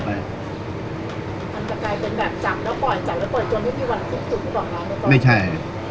การสำรรค์ของเจ้าชอบใช่